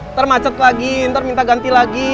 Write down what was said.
ntar macet lagi ntar minta ganti lagi